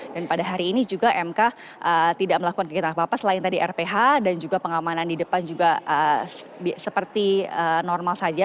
dan pada hari ini juga mk tidak melakukan kegiatan apa apa selain tadi rph dan juga pengamanan di depan juga seperti normal saja